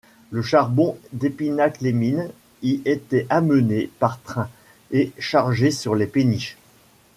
Le charbon d'Épinac-les-Mines y était amené par train, et chargé sur les péniches.